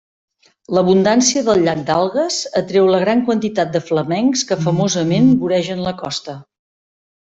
L'abundància del llac d'algues atreu la gran quantitat de flamencs que famosament voregen la costa.